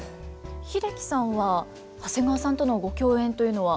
英樹さんは長谷川さんとのご共演というのは？